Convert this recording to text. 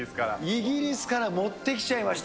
イギリスから持ってきちゃいました。